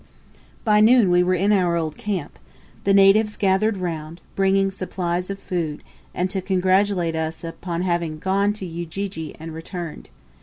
By noon we were in our old camp. The natives gathered round, bringing supplies of food, and to congratulate us upon having gone to Ujiji and returned.